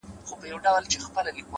هر منزل د نوې موخې پیل ګرځي،